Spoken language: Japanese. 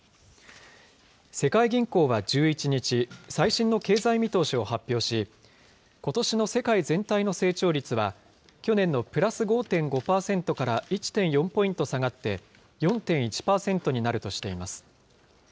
世界銀行は１１日、最新の経済見通しを発表し、ことしの世界全体の成長率は、去年のプラス５．５％から１．４ポイント下がって、４．１％になるとしています。